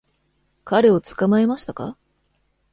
彼を捕まえましたか？